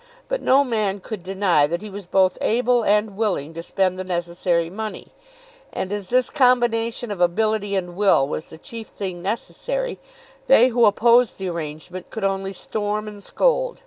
But no man could deny that he was both able and willing to spend the necessary money; and as this combination of ability and will was the chief thing necessary, they who opposed the arrangement could only storm and scold.